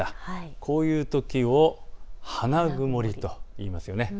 こういうときを花曇りといいます。